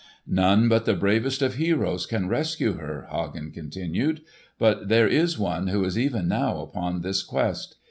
"None but the bravest of heroes can rescue her," Hagen continued. "But there is one who is even now upon this quest.